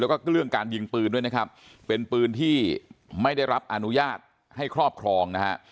แล้วก็เรื่องการยิงปืนด้วยนะครับเป็นปืนที่ไม่ได้รับอนุญาตให้ครอบครองนะฮะ